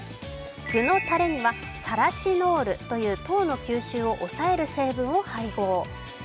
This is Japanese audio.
具のたれにはサラシノールという糖の吸収を抑える成分を配合。